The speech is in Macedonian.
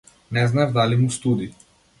Не знаев дали му студи.